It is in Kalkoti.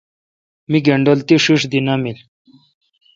می گینڈل تی ݭݭ دی نامین۔